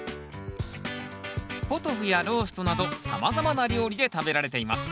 ポトフやローストなどさまざまな料理で食べられています。